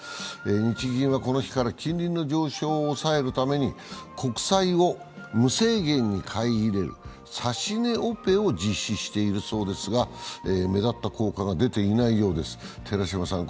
日銀はこの日から金利の上昇を抑えるために国債を無制限に買い入れる指し値オペを実施しているそうですが目立った効果が出ていないようです。